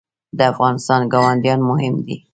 د افغانستان ګاونډیان مهم دي